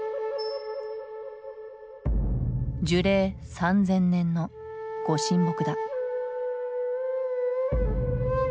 樹齢３，０００年の御神木だ。